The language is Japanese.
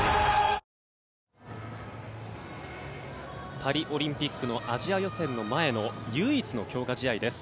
パリオリンピックのアジア予選の前の唯一の強化試合です。